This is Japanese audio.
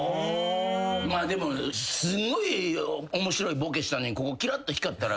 まあでもすごい面白いボケしたのにここキラッと光ったらうわ